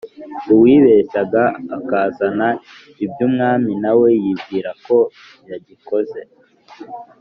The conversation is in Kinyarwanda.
uwibeshyaga akazana iby'ubwami nawe yibwira ko yagikoze,